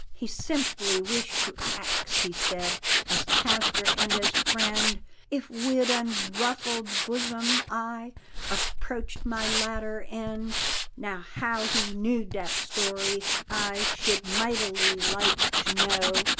He simply wished to ax, he said, As pastor and as friend, If wid unruffled bosom I Approached my latter end. Now how he knew dat story I Should mightily like to know.